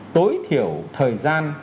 tối thiểu thời gian